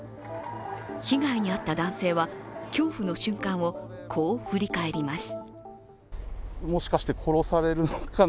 被害に遭った男性は、恐怖の瞬間をこう振り返ります。